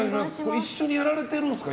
一緒にやられてるんですか。